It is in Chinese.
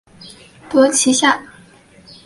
得其下